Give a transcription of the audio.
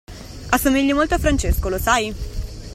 Assomigli molto a Francesco, lo sai?